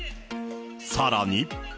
さらに。